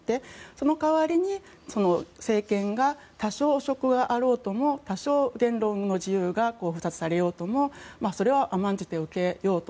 その代わりに政権が多少、汚職があろうとも多少、言論の自由が封殺されようともそれは甘んじて受けようと。